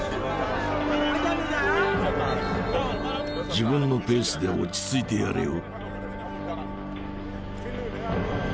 自分のペースで落ち着いてやれよ。